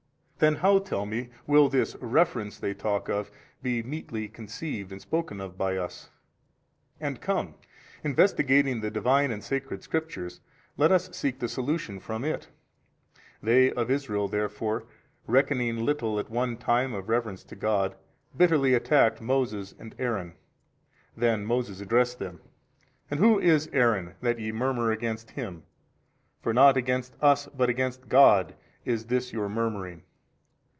A. Then how (tell me) will this reference they talk of be meetly conceived and spoken of by us? And come, investigating the Divine and sacred Scripture, let us seek the solution from it. They of Israel 13 therefore, recking little at one time of reverence to God, bitterly attacked Moses and Aaron: then Moses addressed them, And who is Aaron, that ye murmur against him? for not against us but against God is this your murmuring.